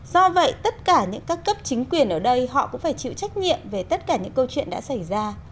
do vậy tất cả những các cấp chính quyền ở đây họ cũng phải chịu trách nhiệm về tất cả những câu chuyện đã xảy ra